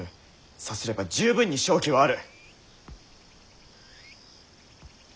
さすれば十分に勝機はある！